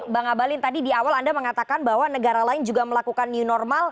bang abalin tadi di awal anda mengatakan bahwa negara lain juga melakukan new normal